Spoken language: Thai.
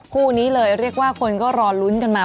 คู่นี้เลยเรียกว่าคนก็รอลุ้นกันมา